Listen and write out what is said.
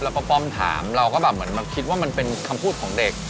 แล้วก็ป้อมถามเราก็แบบเหมือนมาคิดว่ามันเป็นคำพูดของเด็ก